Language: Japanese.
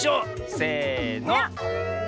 せの！